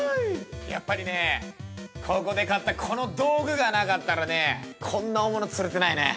やっぱりねえ、ここで買ったこの道具がなかったらねえ、こんな大物釣れてないね。